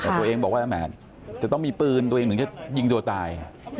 แต่ตัวเองบอกว่าแหมจะต้องมีปืนตัวเองถึงจะยิงตัวตาย